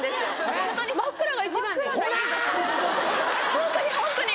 ホントにホントに！